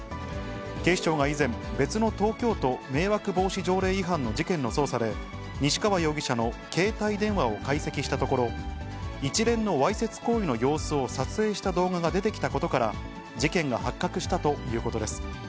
警視庁が以前、別の東京都迷惑防止条例違反の事件の捜査で、西川容疑者の携帯電話を解析したところ、一連のわいせつ行為の様子を撮影した動画が出てきたことから、事件が発覚したということです。